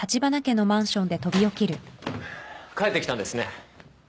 帰ってきたんですね。